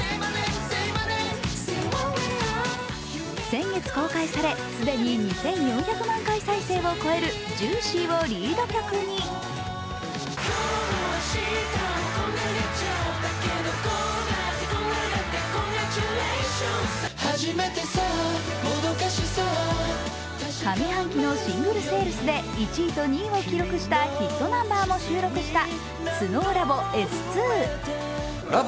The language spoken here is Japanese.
先月公開され、既に２４００万回再生を超える「ＪＵＩＣＹ」をリード曲に上半期のシングルセールスで１位と２位を記録したヒットナンバーも収録した「ＳｎｏｗＬａｂｏ．Ｓ２」。